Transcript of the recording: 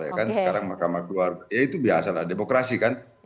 ya kan sekarang mahkamah keluar ya itu biasa lah demokrasi kan